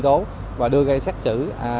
mua bán dận chuyển và tràn tử hàng cấm